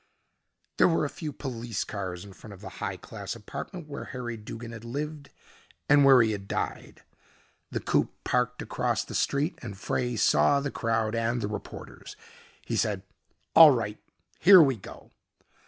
There were a few police cars in front of the high class apartment where Harry Duggin had lived, and where he had died. The coupe parked across the street and Frey saw the crowd and the reporters. He said, "All right here we go."